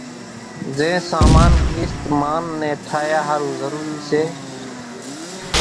زين سامان ڪريست مانَ ني ٺاھيا ۿارُو ضروري سي۔